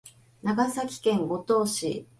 長崎県五島市